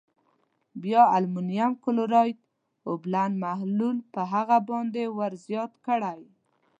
بیا المونیم کلورایډ اوبلن محلول په هغه باندې ور زیات کړئ.